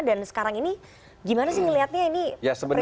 dan sekarang ini gimana sih melihatnya ini presiden dan juga pemerintah